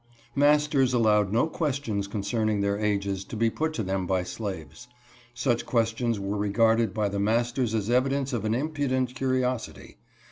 \ Masters allowed no questions concerning their ages to be put to them by slaves. Such questions were regarded by the masters as evidence of an impudent curi osity.